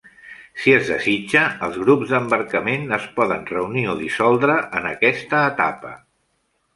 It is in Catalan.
Si es desitja, els grups d'embarcament es poden reunir o dissoldre en aquesta etapa.